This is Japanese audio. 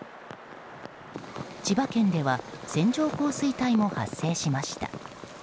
千葉県では線状降水帯も発生しました。